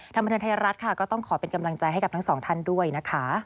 บันเทิงไทยรัฐค่ะก็ต้องขอเป็นกำลังใจให้กับทั้งสองท่านด้วยนะคะ